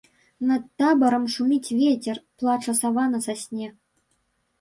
Над табарам шуміць вецер, плача сава на сасне.